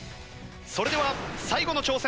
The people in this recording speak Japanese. それでは最後の挑戦